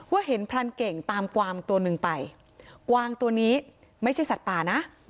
เห็นพรานเก่งตามกวางตัวหนึ่งไปกวางตัวนี้ไม่ใช่สัตว์ป่านะ